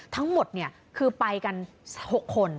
ทั้งหมดคือไปกัน๖คน